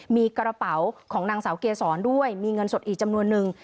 มีกระเป๋าของนางสาวเกษรด้วยมีเงินสดอีกจำนวนนึง